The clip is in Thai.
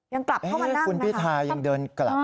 ยังกลับเข้ามานั่งนะครับ